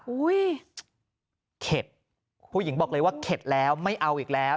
อุ้ยเข็ดผู้หญิงบอกเลยว่าเข็ดแล้วไม่เอาอีกแล้ว